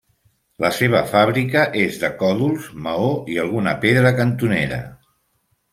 La seva fàbrica és de còdols, maó i alguna pedra cantonera.